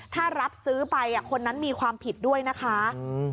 ถ้ารับซื้อไปอ่ะคนนั้นมีความผิดด้วยนะคะอืม